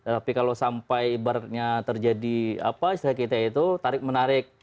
tapi kalau sampai ibaratnya terjadi apa istilah kita itu tarik menarik